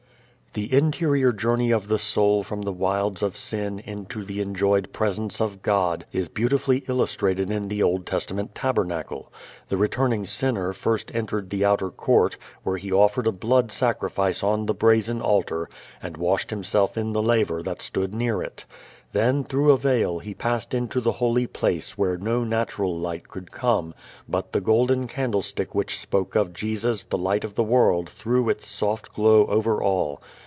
The interior journey of the soul from the wilds of sin into the enjoyed Presence of God is beautifully illustrated in the Old Testament tabernacle. The returning sinner first entered the outer court where he offered a blood sacrifice on the brazen altar and washed himself in the laver that stood near it. Then through a veil he passed into the holy place where no natural light could come, but the golden candlestick which spoke of Jesus the Light of the World threw its soft glow over all.